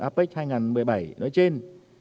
apec hai nghìn một mươi bảy nói trên